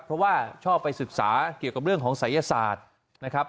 เพราะว่าชอบไปศึกษาเกี่ยวกับเรื่องของศัยศาสตร์นะครับ